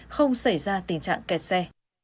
không xảy ra tình trạng kẹt xe